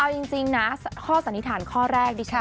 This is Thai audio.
เอาจริงนะข้อสันนิษฐานข้อแรกดิฉัน